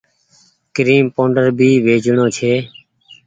ڪريم پوڊر ڀي ويچڻو ڇي۔